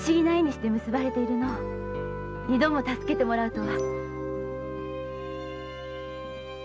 二度も助けてもらうとは。